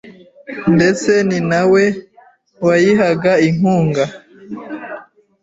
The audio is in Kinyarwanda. ndetse ni na we wayihaga inkunga.